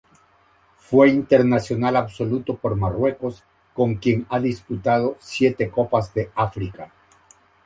Fue internacional absoluto por Marruecos, con quien ha disputado siete Copas de África.